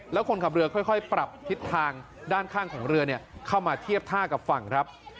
แล้วคนขับเรือค่อยปรับทิศทางด้านข้างของเรือเข้ามาเทียบท่ากับฝั่งครับ